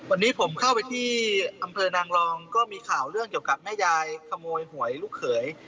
วันนี้ผมเข้าไปที่อำเภอนางรองก็มีข่าวเรื่องเกี่ยวกับแม่ยายขโมยหวยลูกเขย